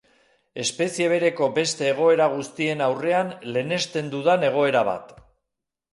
Espezie bereko beste egoera guztien aurrean lehenesten dudan egoera bat.